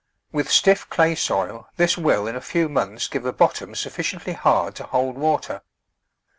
With stiff clay soil this will in a few months give a bottom suffi ciently hard to hold water.